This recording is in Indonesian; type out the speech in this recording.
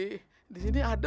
nggak ada apa apa